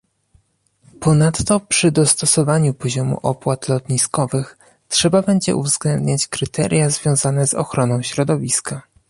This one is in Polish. Ponadto przy dostosowywaniu poziomu opłat lotniskowych trzeba będzie uwzględniać kryteria związane z ochroną środowiska